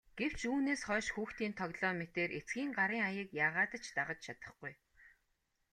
Гэвч үүнээс хойш хүүхдийн тоглоом мэтээр эцгийн гарын аяыг яагаад ч дагаж чадахгүй.